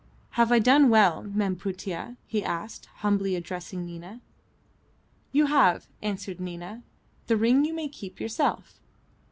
"Have I done well, Mem Putih?" he asked, humbly addressing Nina. "You have," answered Nina. "The ring you may keep yourself."